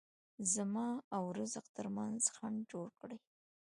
زما او رزق ترمنځ خنډ جوړ کړي.